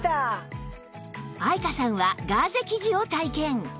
愛華さんはガーゼ生地を体験